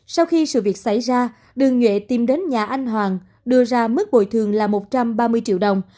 sau khi sự việc xảy ra đường nhuệ tìm đến nhà anh hoàng đưa ra mức bồi thường là một trăm ba mươi triệu đồng